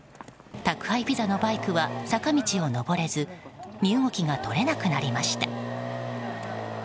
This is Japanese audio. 宅配ピザのバイクは坂道を登れず身動きが取れなくなりました。